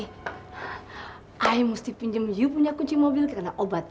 saya mesti pinjamnya punya kunci mobil karena obat